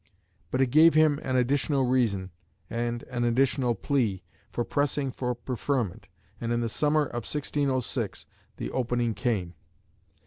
But it gave him an additional reason, and an additional plea, for pressing for preferment, and in the summer of 1606 the opening came.